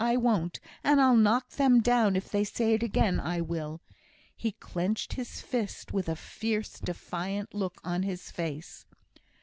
I won't; and I'll knock them down if they say it again, I will!" He clenched his fist, with a fierce, defiant look on his face.